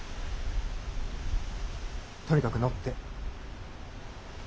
とにかく乗って。